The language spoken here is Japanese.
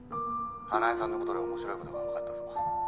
花恵さんのことでおもしろいことがわかったぞ。